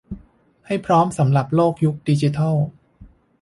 ให้พร้อมสำหรับโลกยุคดิจิทัล